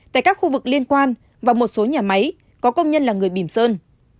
tại các khu vực liên quan và một số nhà máy có công nhân là người bìm sơn